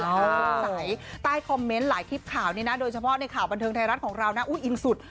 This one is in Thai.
สงสัยใต้คอมเมนต์หลายคลิปข่าวนี้นะโดยเฉพาะในข่าวบันเทิงไทยรัฐของเรานะอุ้ยอินสุด